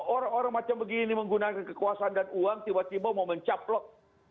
orang orang macam begini menggunakan kekuasaan dan uang tiba tiba mau mencaplok